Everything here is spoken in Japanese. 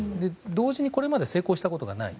同時にこれまで成功したことがない。